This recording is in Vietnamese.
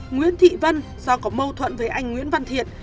nguyễn thị vân do có mâu thuẫn với anh nguyễn văn thiện